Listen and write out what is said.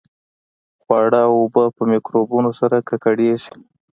خواړه او اوبه په میکروبونو سره ککړېږي.